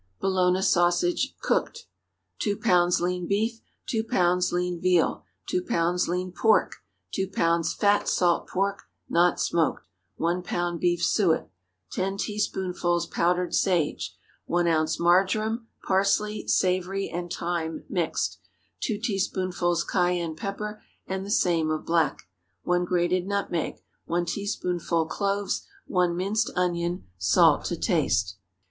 BOLOGNA SAUSAGE (Cooked.) 2 lbs. lean beef. 2 lbs. lean veal. 2 lbs. lean pork 2 lbs. fat salt pork—not smoked. 1 lb. beef suet 10 teaspoonfuls powdered sage. 1 oz. marjoram, parsley, savory, and thyme, mixed. 2 teaspoonfuls cayenne pepper, and the same of black. 1 grated nutmeg. 1 teaspoonful cloves. 1 minced onion. Salt to taste.